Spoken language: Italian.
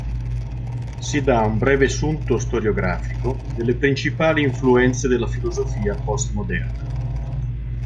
Si da un breve sunto storiografico delle principali influenze della filosofia postmoderna.